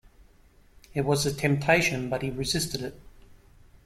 It was a temptation, but he resisted it.